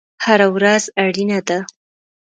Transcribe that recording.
هره ورځ اړینه ده